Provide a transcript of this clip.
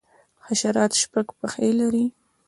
حشرات شپږ پښې لري